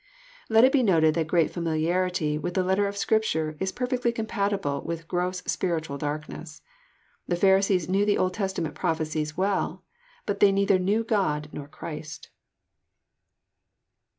Let it be noted that great familiarity with the letter of Scrip ture is perfectly compatible with gross spiritual darkness. The Pharisees knew the Old Testament prophecies well ; but they neither knew God nor Christ.